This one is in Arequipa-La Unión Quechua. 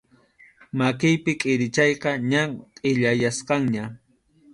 Makiypi kʼirichayqa ña kʼillayachkanña.